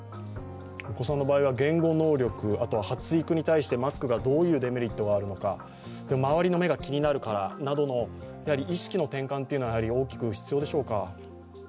お子さんの場合は言語能力、あとは発育に対してマスクがどういうデメリットがあるのか、周りの目が気になるからなどの意識の転換は大きく必要でしょうか？